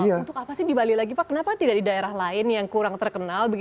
untuk apa sih di bali lagi pak kenapa tidak di daerah lain yang kurang terkenal